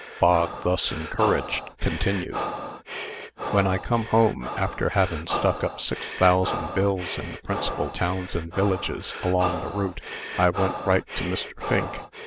Bog, thus encouraged, continued: "When I come home, after havin' stuck up six thousand bills in the principal towns and villages along the route, I went right to Mr. Fink.